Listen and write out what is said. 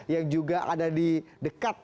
yang juga ada di dekat